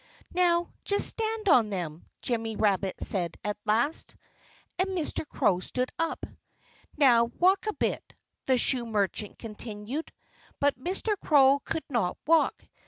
"Now just stand on them!" Jimmy Rabbit said at last. And Mr. Crow stood up. "Now walk a bit," the shoe merchant continued. But Mr. Crow could not walk.